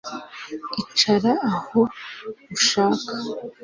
icara aho ushaka